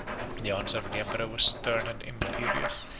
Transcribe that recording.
The answer of the emperor was stern and imperious.